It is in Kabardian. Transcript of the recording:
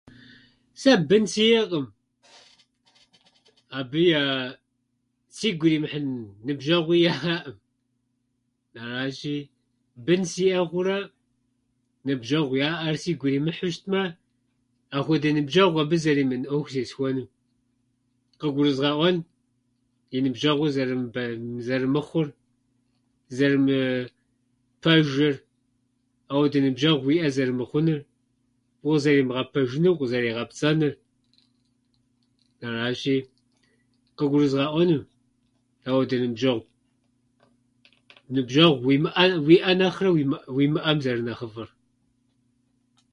Сэ бын сиӏэкъым. Абы я- сигу иримыхьын ныбжэгъуи яӏэӏым. Аращи, бын сиӏэ хъурэ ныбжьэгъу яӏэр сигу иримыхьу щытмэ, ахуэдэ ныбжьэгъу абы зэримыӏэн ӏуэху зесхуэну. Къыгурызгъэӏуэн и ныбжьэгъур зэрымыбэ- зэрымыхъур, зэрымыпэжыр, ауэдэ ныбжьэгъу уиӏэ зэрымыхъунур, укъызэримыгъэпэжынур, укъызэригъэпцӏэнур. Аращи, къыгурызгъэӏуэну ауэдэ ныбжьэгъу- ныбжьэгъу уимыӏэ- уиӏэ нэхърэ уимыӏ- уимыӏэм зэрынэхъыфӏыр.